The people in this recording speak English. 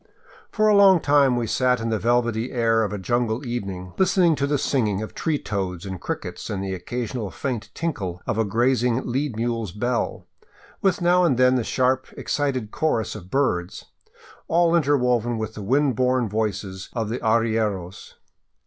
For a long time we sat in the velvety air of a jungle evening, listening to the singing of tree toads and crickets and the occasional faint tinkle of a grazing lead mule's bell, with now and then the sharp, excited chorus of birds, — all interwoven with the wind borne voices of the arrieros.